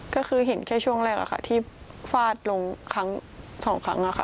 ก็คือเห็นแค่ช่วงแรกที่ฟาดลงครั้งสองครั้ง